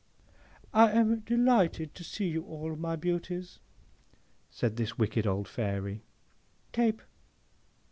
'—'I am delighted to see you all, my beauties,' says this wicked old Fairy, '—Tape!